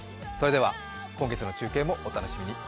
本日の中継もお楽しみに。